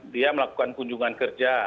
dia melakukan kunjungan kerja